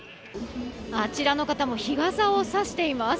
あちらの方も日傘をさしています。